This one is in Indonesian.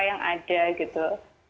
yang ada gitu